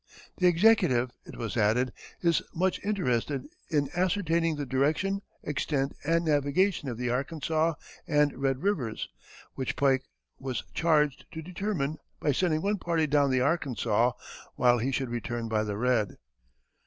The executive," it was added, "is much interested in ascertaining the direction, extent, and navigation of the Arkansas and Red rivers," which Pike was charged to determine by sending one party down the Arkansas, while he should return by the Red.